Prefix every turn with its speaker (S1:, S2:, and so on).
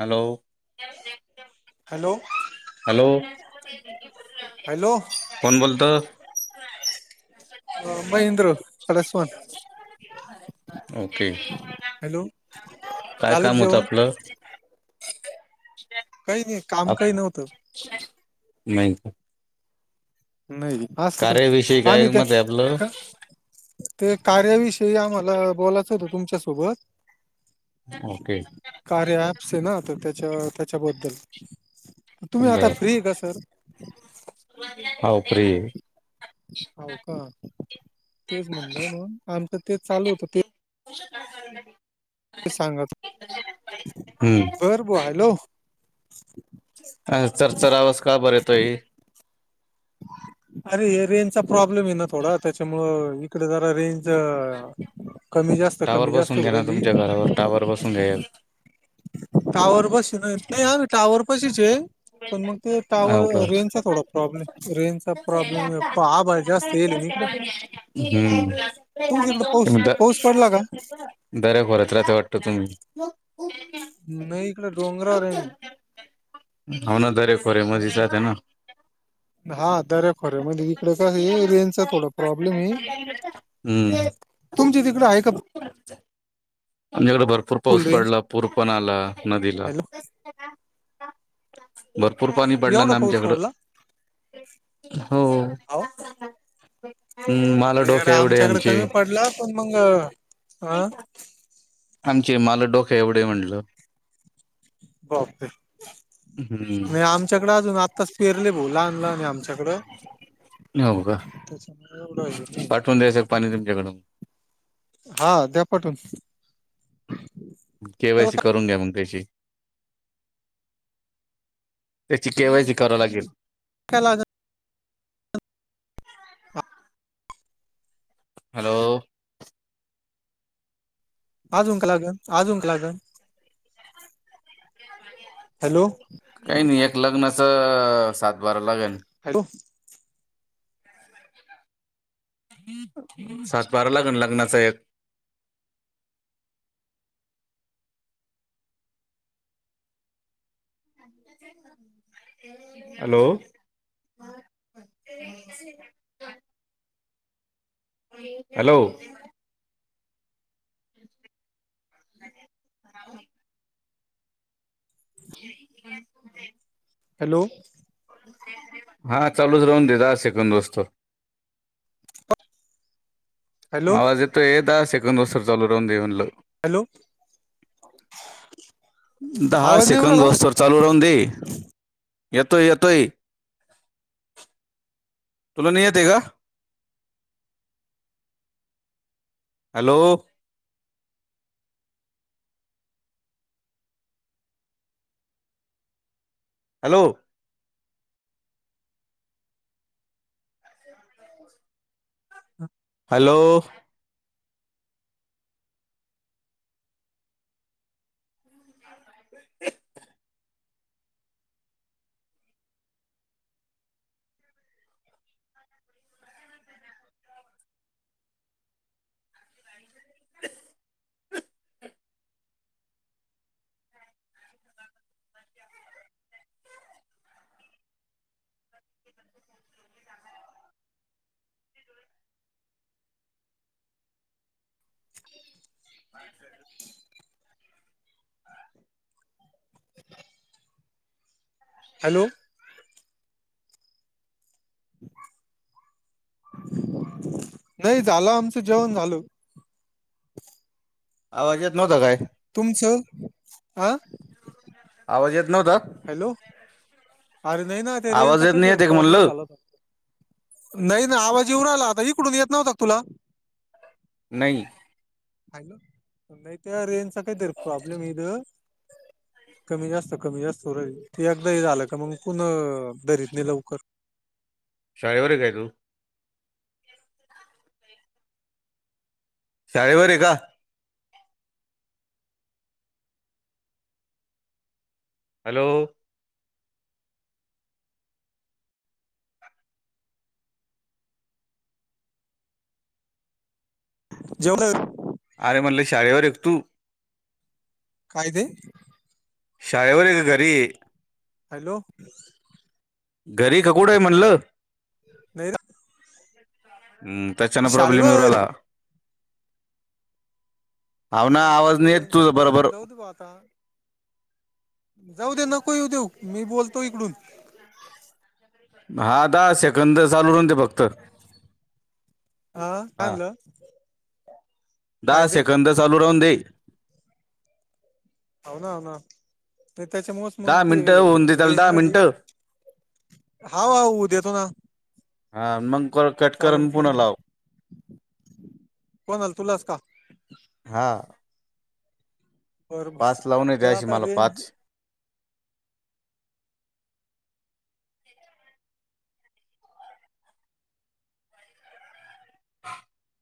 S1: Hello. [unintelligible]
S2: Hello.
S1: Hello.
S2: Hello.
S1: कोण बोलतो?
S2: महेंद्र खडसवन
S1: ओके
S2: हॅलो
S1: काय
S2: झालं का
S1: काम होतं
S2: जेवण
S1: आपलं?
S2: काही नाही काम
S1: आप
S2: काही नव्हतं.
S1: नाही का?
S2: नाही असं
S1: कार्याविषयी
S2: तर आम्ही
S1: काय
S2: त्या
S1: मत आहे आपलं
S2: का? ते कार्याविषयी आम्हाला बोलायचं होतं तुमच्यासोबत.
S1: ओके.
S2: कार्य ऍप्स आहे ना तर त्याच्या त्याच्याबद्दल तर तुम्ही आता
S1: बर
S2: फ्री आहे का सर?
S1: हो फ्री आहे.
S2: हाव का तेच म्हणलं म्हण आमचं ते चालू होतं ते
S1: [unintelligible]
S2: ते सांगच
S1: हम्म
S2: बरं बुवा हॅलो.
S1: अ चरचर आवाज का बरं येतोय?
S2: [unintelligible] अरे हे रेंजचा प्रॉब्लेम आहे ना थोडा त्याच्यामुळे इकडे जरा रेंज कमी जास्
S1: टावर बसून घ्या ना तुमच्या घरावर टावर बसून घ्याल.
S2: टावर पाशी नाही नाही आम्ही टावर पाशीच आहे. पण मंग ते
S1: हो
S2: टावर
S1: का
S2: रेंजचा थोडा प्रॉब्लेम रेंजचा प्रॉब्लेम आहे. [unintelligible]
S1: हम्म
S2: तुमच इकडं पाऊस
S1: तुम्ही तर
S2: पाऊस पडला का
S1: दर्यागोरच राहातं वाटतं तुम्ही.
S2: नाही इकडे डोंगरावर आहे मी.
S1: हाव ना दरे खोरे मध्येच राहता ना.
S2: हा दऱ्या खोर्या म्हणजे इकडं कसं आहे रेंजचा थोडा प्रॉब्लेम आहे. तुमची तिकडे आहे का?
S1: आमच्याकडे भरपूर
S2: फुल
S1: पाऊस
S2: रेंज
S1: पडला पूर पण आला नदीला.
S2: हॅलो
S1: भरपूर पाणी पडलं
S2: एवढा
S1: ना
S2: पाऊस
S1: आमच्याकडं.
S2: पडला
S1: हो.
S2: हो
S1: हम्म माला
S2: नाही इकडे
S1: डोके एवढे
S2: आमच्याकडे
S1: आमचे.
S2: कमी पडला पण मग अं, हा
S1: आमचे माला डोके एवढे म्हटलं.
S2: ओके नाही
S1: हम्म
S2: आमच्याकडे अजून आत्ताच फिरले बोला नाय नाय आमच्याकड.
S1: हो का
S2: [inaudible]
S1: पाठवून द्यायचं पाणी तुमच्याकडून.
S2: [unintelligible] हा द्या पाठून.
S1: के वाय सी
S2: काय
S1: करून घ्या मंग त्याची. त्याची के वाय सी करावं लागेल.
S2: काय लागतं
S1: हॅलो
S2: आजूक लागन, आजूक लागन हॅलो
S1: काही नाही एक लग्नाचं सात बारा लागण
S2: हॅलो
S1: सात बारा लागण लग्नाचा एक हॅलो [unintelligible] हॅलो [unintelligible] [unintelligible]
S2: हॅलो
S1: हा चालूच राहून द दहा सेकंद होईस्तोवर
S2: हॅलो
S1: आवाज येतो ये दहा सेकंद होसतर चालू राहून दे म्हणलं
S2: हॅलो
S1: दहा
S2: आवाज नाही येऊ
S1: सेकंद
S2: राहिला
S1: होस्तर चालू रह दे येतोय, येतोय तुला नाही येतय का? हॅलो हॅलो हॅलो [unintelligible]
S2: [unintelligible]
S1: [unintelligible]
S2: हॅलो नाही झालं आमचं जेवण झालं
S1: आवाज येत नव्हता काय
S2: तुमच आ
S1: आवाज येत नव्हता
S2: हॅलो
S1: [unintelligible]
S2: अरे नाही ना त्या
S1: आवाज
S2: रेंजचा
S1: येत नाही
S2: काहीतरी
S1: येते का
S2: प्रॉब्लेम
S1: म्हणलं
S2: झाला नाही ना आवाज येऊ राहिला आता इकडून येत नव्हता का तुला
S1: नाही, नाही
S2: हॅलो नाही त्या रेंजचा काहीतरी प्रॉब्लेम आहे इथं कमी जास्त कमी जास्त होऊ राहिलं ते एकदा हे झालं का मग पुन्हा धरील ते नाही लवकर
S1: शाळेवर हाय काय तू शाळेवर आहे का? हॅलो
S2: जेवला का तू?
S1: अरे म्हणल शाळेवर एक तू
S2: काय ते
S1: शाळेवर का घरी ये
S2: हॅलो
S1: घरी का कुड आहे म्हणलं
S2: [unintelligible]
S1: हम्म, त्याच्या न प्रॉब्लेम येऊ
S2: शाळेवर
S1: राहला. हाव ना
S2: हा, मी
S1: आवाज नाही
S2: ते
S1: येत
S2: यांचा
S1: तुझा बरोबर
S2: प्रॉब्लेम जाऊदे बुआ आता. जाऊ दे नको येऊ देऊ, मी बोलतो इकडून.
S1: दहा-दहा सेकंद चालू राहू दे फक्त.
S2: हा, काय म्हलं
S1: दहा सेकंद चालू राहून दे.
S2: हो ना, हो ना, नाही त्याच्यामुळेच मग
S1: दहा
S2: ते
S1: मिनिटं होऊन दे त्याला
S2: रेंज
S1: दहा
S2: मधी.
S1: मिनिटं
S2: हा हाऊ-हाऊ देतो ना.
S1: हा मगकर
S2: चालल-चालल, कोण आल तुलास का?
S1: हा
S2: बरं बरं
S1: पाच लावून
S2: ते
S1: द्यायची,
S2: आता
S1: मला
S2: रेंज
S1: पाच. ह [inaudible]